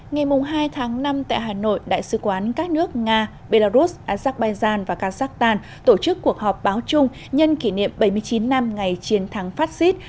ngày hai tháng năm tại hà nội đại sứ quán các nước nga belarus azerbaijan và kazakhstan tổ chức cuộc họp báo chung nhân kỷ niệm bảy mươi chín năm ngày chiến thắng fascist